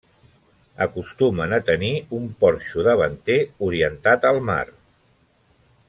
Acostumen a tenir un porxo davanter, orientat a mar.